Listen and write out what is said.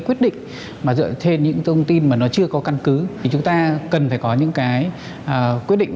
quyết định mà dựa trên những thông tin mà nó chưa có căn cứ thì chúng ta cần phải có những cái quyết định